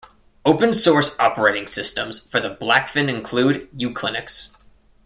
Open-source operating systems for the Blackfin include uClinux.